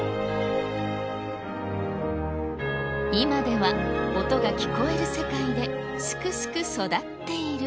今では音が聞こえる世界ですくすく育っている。